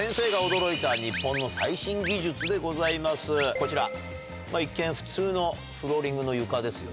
こちら一見普通のフローリングの床ですよね。